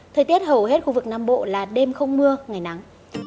thời tiết hầu hết khu vực nam bộ là đêm không mưa ngày nắng